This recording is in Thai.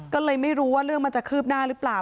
ก็เลยไม่รู้ว่าเรื่องมันจะคืบหน้าหรือเปล่า